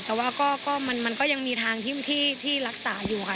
แต่ว่าก็มันก็ยังมีทางที่รักษาอยู่ค่ะ